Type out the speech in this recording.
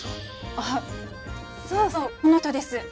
あっそうそうこの人です。